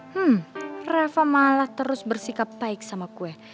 hmm reva malah terus bersikap baik sama gue